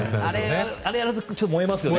あれやると燃えますよね。